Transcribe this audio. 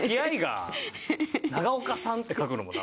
「長岡さん」って書くのもな。